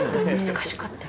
難しかったよ。